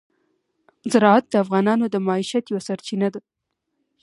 زراعت د افغانانو د معیشت یوه سرچینه ده.